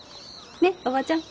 ねっおばちゃん。